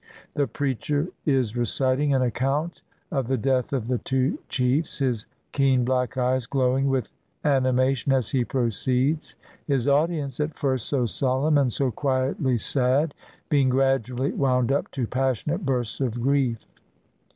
The preacher is reciting an account of the death of the two chiefs, his keen black eyes glowing with animation as he proceeds — his audience, at first so solemn and so quietly sad, being gradually wound up to passionate bursts of grief.